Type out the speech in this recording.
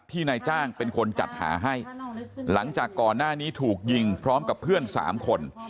นายจ้างเป็นคนจัดหาให้หลังจากก่อนหน้านี้ถูกยิงพร้อมกับเพื่อนสามคน